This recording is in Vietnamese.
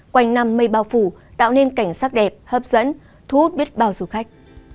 quanh năm mây bao phủ tạo nên cảnh sắc đẹp hấp dẫn thu hút biết bao du khách